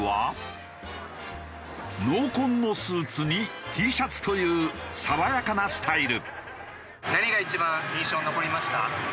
濃紺のスーツにＴシャツという爽やかなスタイル。